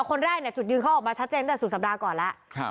คนแรกจุดยืนเข้าออกมาชัดเจนต้นแต่ศูนย์สัปดาห์ก่อนแล้ว